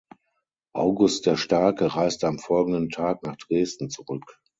August der Starke reiste am folgenden Tag nach Dresden zurück.